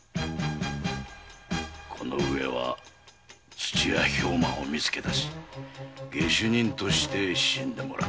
この上は土屋兵馬を見つけ出し下手人として死んでもらう。